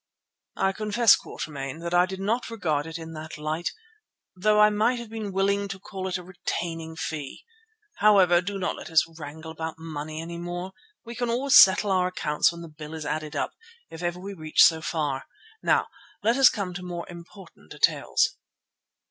"I confess, Quatermain, that I did not regard it in that light, though I might have been willing to call it a retaining fee. However, do not let us wrangle about money any more. We can always settle our accounts when the bill is added up, if ever we reach so far. Now let us come to more important details."